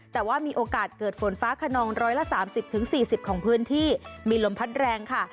แต่ว่ามีโอกาสเกิดฝนฟ้าขนองร้อยละ๓๐๔๐ของพื้นที่มีลมพัดแรงค่ะ